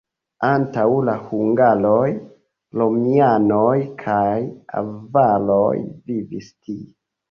Antaŭ la hungaroj, romianoj kaj avaroj vivis tie.